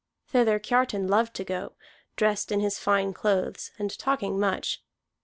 Thither Kiartan loved to go, dressed in his fine clothes, and talking much.